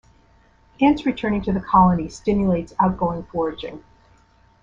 Ants returning to the colony stimulates outgoing foraging.